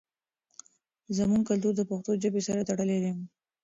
زموږ کلتور د پښتو ژبې سره تړلی دی.